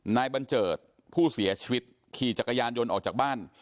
บันเจิดผู้เสียชีวิตขี่จักรยานยนต์ออกจากบ้าน